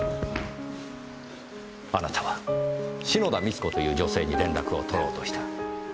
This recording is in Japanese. あなたは篠田美津子という女性に連絡を取ろうとした。